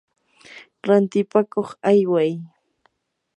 rantipakuq ayway.